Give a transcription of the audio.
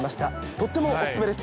とってもお勧めです。